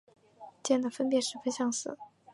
间的分别十分相似。